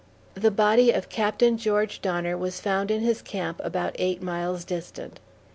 The body of (Captain) George Donner was found in his camp about eight miles distant.